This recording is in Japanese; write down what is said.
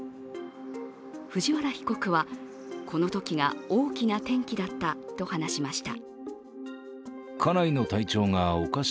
藤原被告は、このときが大きな転機だったと話しました。